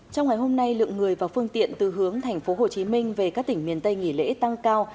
trong ngày hôm nay lượng người và phương tiện từ hướng tp hcm về các tỉnh miền tây nghỉ lễ tăng cao